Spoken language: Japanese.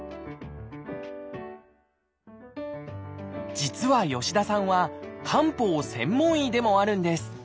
実は吉田さんは漢方専門医でもあるんです。